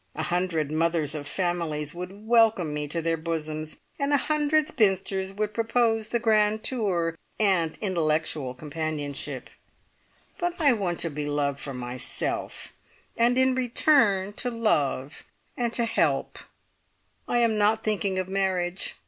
A hundred mothers of families would welcome me to their bosoms, and a hundred spinsters would propose the grand tour and intellectual companionship; but I want to be loved for myself, and in return to love, and to help I am not thinking of marriage.